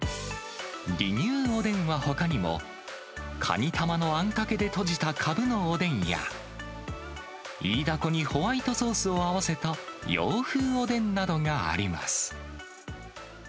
リニューおでんはほかにも、かにたまのあんかけでとじたかぶのおでんや、イイダコにホワイトソースを合わせた洋風おでんなどがあります。